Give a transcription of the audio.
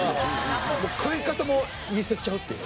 食い方も似せちゃうっていう。